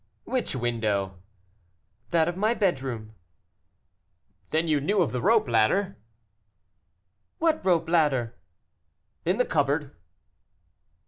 "Which window?" "That of my bedroom." "Then you knew of the rope ladder?" "What rope ladder?" "In the cupboard."